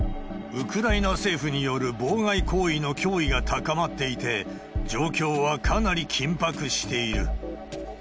ウクライナ政府による妨害行為の脅威が高まっていて、状況はかなり緊迫している。